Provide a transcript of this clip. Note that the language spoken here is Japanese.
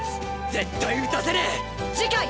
絶対打たせねえ！